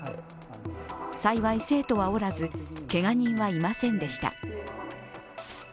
幸い生徒はおらず、けが人はいませんでした。